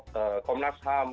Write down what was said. kepada komnas ham